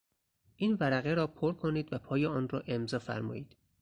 این ورقه را پر کنید و پای آن را امضا فرمایید.